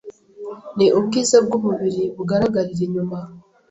ni ubwiza bw’umubiri, bugaragarira inyuma.